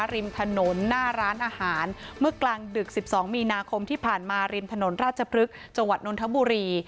ริมถนนหน้าร้านอาหารเมื่อกลางดึก๑๒มีนาคมที่ผ่านมาริมถนนราชพฤกษ์จังหวัดนนทบุรี